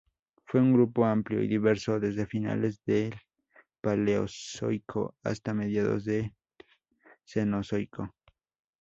Fue un grupo amplio y diverso desde finales del Paleozoico hasta mediados del Cenozoico.